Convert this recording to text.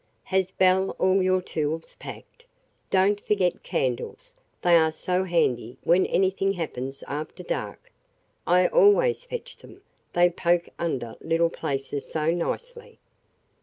"Has Belle all your tools packed? Don't forget candles; they are so handy when anything happens after dark. I always fetch them. They poke under little places so nicely."